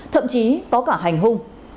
thậm chí có cả hành hung